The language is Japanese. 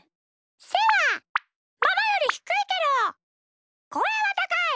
せはママよりひくいけどこえはたかい。